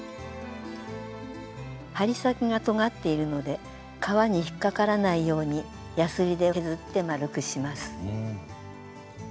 針先がとがっているので革に引っかからないようにやすりで削って丸くします。